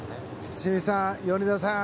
清水さん、米田さん